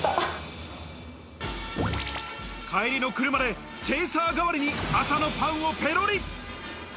帰りの車で、チェイサー代わりに朝のパンをペロリ。